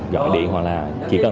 gọi điện hoặc là chỉ cần